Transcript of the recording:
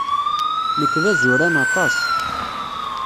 Nekk d azuran aṭas.